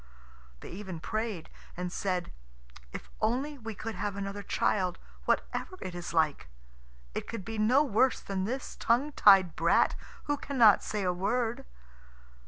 They even prayed, and said, "If only we could have another child, whatever it is like, it could be no worse than this tongue tied brat who cannot say a word."